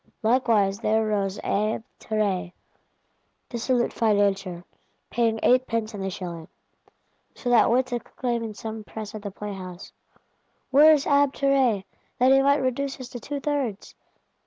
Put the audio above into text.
Likewise there rose Abbé Terray, dissolute Financier, paying eightpence in the shilling,—so that wits exclaim in some press at the playhouse, 'Where is Abbé Terray, that he might reduce us to two thirds!